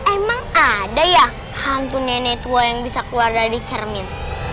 emang ada ya hantu nenek tua yang bisa keluar dari cermin